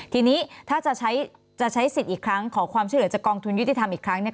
ทีนี้ถ้าจะใช้จะใช้สิทธิ์อีกครั้งขอความช่วยเหลือจากกองทุนยุติธรรมอีกครั้งเนี่ย